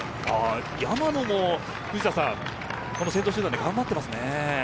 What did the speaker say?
山野も先頭集団で頑張っています。